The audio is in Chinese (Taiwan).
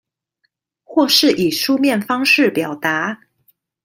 或是以書面方式表達